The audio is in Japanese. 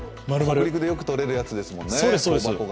北陸でよくとれるものですもんね。